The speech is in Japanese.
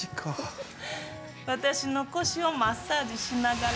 私の腰をマッサージしながら。